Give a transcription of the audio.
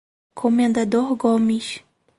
Comendador Gomes